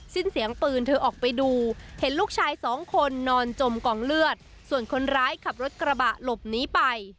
สิ้นเสียงปืนเธอออกไปดูเห็นลูกชายสองคนนอนจมกองเลือดส่วนคนร้ายขับรถกระบะหลบหนีไป